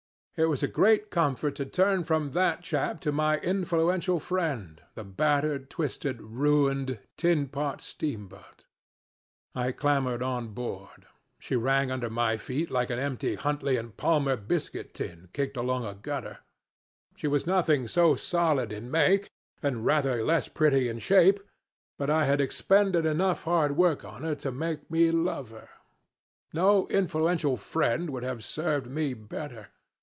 It was a great comfort to turn from that chap to my influential friend, the battered, twisted, ruined, tin pot steamboat. I clambered on board. She rang under my feet like an empty Huntley & Palmer biscuit tin kicked along a gutter; she was nothing so solid in make, and rather less pretty in shape, but I had expended enough hard work on her to make me love her. No influential friend would have served me better.